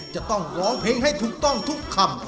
จะต้องร้องเพลงให้ถูกต้องทุกคำ